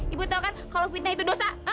ibu tahu kan kalau fitnah itu dosa